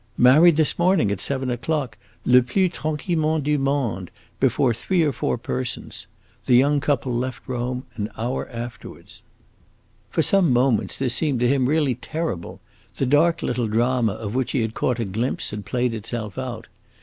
"Married this morning, at seven o'clock, le plus tranquillement du monde, before three or four persons. The young couple left Rome an hour afterwards." For some moments this seemed to him really terrible; the dark little drama of which he had caught a glimpse had played itself out.